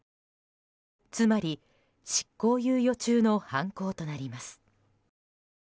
つまり、執行猶予中の犯行となります。